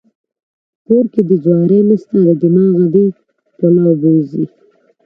کور کې دې جواري نسته د دماغه دې د پلو بوی ځي.